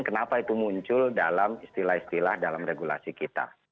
kenapa itu muncul dalam istilah istilah dalam regulasi kita